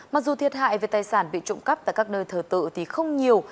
mặc dù thiệt hại về tài sản bị trộm cắp tại các nơi thờ tự thì không nhiều